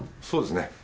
そうですね。